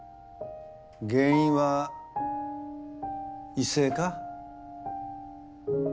原因は異性化？